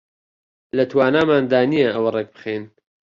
لە تواناماندا نییە ئەوە ڕێک بخەین